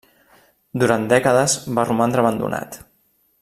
Durant dècades va romandre abandonat.